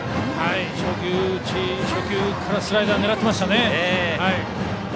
初球からスライダーを狙っていましたね。